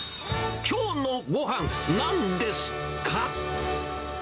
きょうのご飯、なんですか？